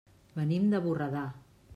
Venim de Borredà.